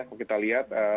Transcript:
kalau kita lihat